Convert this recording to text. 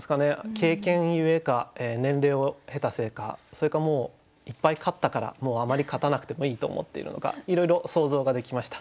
経験ゆえか年齢を経たせいかそれかもういっぱい勝ったからもうあまり勝たなくてもいいと思っているのかいろいろ想像ができました。